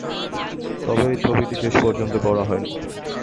তবে এই ছবিটি শেষ পর্যন্ত শেষ করা হয়নি।